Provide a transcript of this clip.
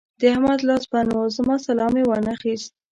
د احمد لاس بند وو؛ زما سلام يې وانخيست.